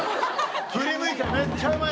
振り向いて「めっちゃうまい！」。